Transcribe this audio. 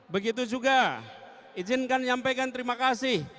begitu juga izinkan nyampaikan terima kasih